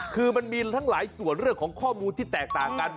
คือมันมีทั้งหลายส่วนเรื่องของข้อมูลที่แตกต่างกัน